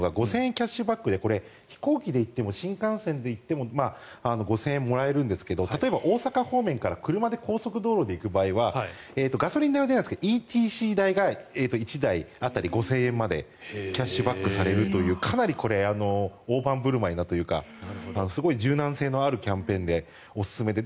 キャッシュバックで飛行機で行っても新幹線で行っても５０００円もらえるんですが例えば大阪方面から車で高速道路で行く場合はガソリン代は出ないんですがＥＴＣ代が１台当たり５０００円までキャッシュバックされるというかなり大盤振る舞いというかすごい柔軟性のあるキャンペーンでおすすめで。